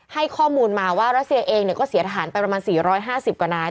ให้ข้อมูลมาว่ารัสเซียเองก็เสียทหารไปประมาณ๔๕๐กว่านาย